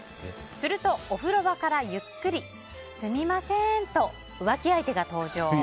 すると、お風呂場からゆっくりすみませんと浮気相手が登場。